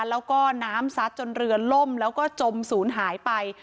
แล้วก็น้ำซัดจนเรือล่มแล้วก็จมศูนย์หายไป